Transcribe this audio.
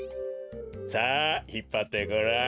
さあひっぱってごらん。